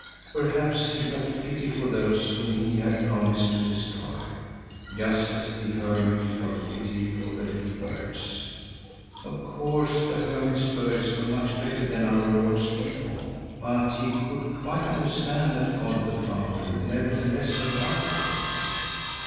Perhaps He felt pity for those whom He had promised to destroy, just as the hermit felt pity for the little birds. Of course the hermit's birds were much better than our Lord's people, but he could quite understand that God the Father nevertheless had love for them.